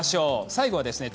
最後はですね